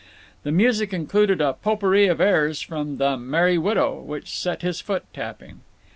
The music included a "potpourri of airs from 'The Merry Widow,'" which set his foot tapping.